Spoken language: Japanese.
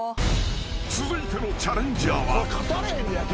［続いてのチャレンジャーは］